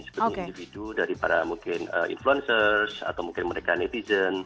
seperti individu daripada mungkin influencers atau mungkin mereka netizen